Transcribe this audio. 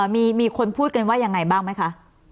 มีคนพูดกันว่ายังไงบ้างไหมคะ